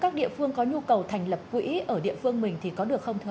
các địa phương có nhu cầu thành lập quỹ ở địa phương mình thì có được không thưa